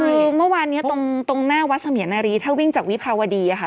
คือเมื่อวานนี้ตรงหน้าวัดเสมียนารีถ้าวิ่งจากวิภาวดีอะค่ะ